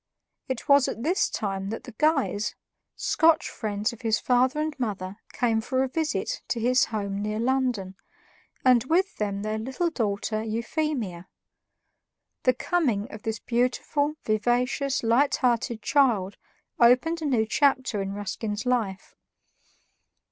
It was at this time that the Guys, Scotch friends of his father and mother, came for a visit to his home near London, and with them their little daughter Euphemia. The coming of this beautiful, vivacious, light hearted child opened a new chapter in Ruskin's life.